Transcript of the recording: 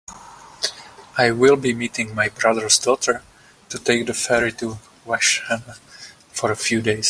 I will be meeting my brother's daughter to take the ferry to Vashon for a few days.